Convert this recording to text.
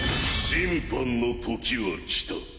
審判のときは来た。